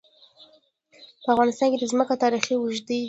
په افغانستان کې د ځمکه تاریخ اوږد دی.